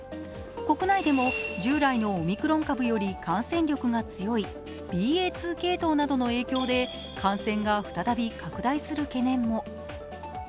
国内でも従来のオミクロン株よりも感染力が強いＢＡ．２系統などの影響で感染が再び拡大する懸念も。